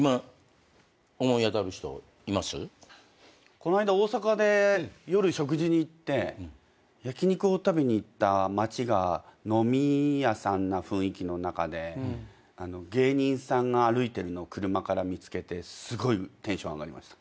この間大阪で夜食事に行って焼き肉を食べに行った街が飲み屋さんな雰囲気の中で芸人さんが歩いてるのを車から見つけてすごいテンション上がりました。